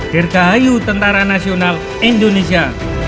dirgahayu tentara nasional indonesia